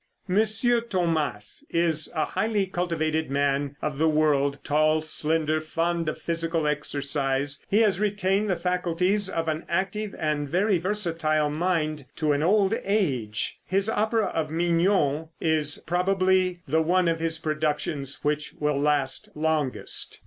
M. Thomas is a highly cultivated man of the world; tall, slender, fond of physical exercise, he has retained the faculties of an active and very versatile mind to an old age. His opera of "Mignon" is probably the one of his productions which will last longest.